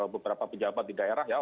beberapa pejabat di daerah ya